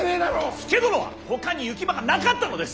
佐殿はほかに行き場がなかったのです！